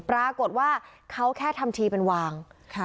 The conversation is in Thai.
ปรากฏว่าเขาแค่ทำทีเป็นวางค่ะ